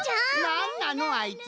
なんなのあいつ。